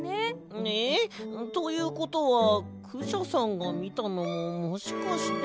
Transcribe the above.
ええ！ということはクシャさんがみたのももしかして。